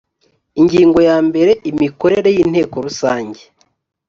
ingingo ya mbere imikorere y inteko rusange